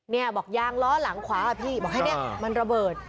เนี่ยบอกยางล้อหลังขวาพี่บอกให้เนี่ยมันระเบิด